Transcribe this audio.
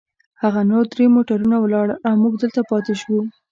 هغه نور درې موټرونه ولاړل، او موږ دلته پاتې شوو.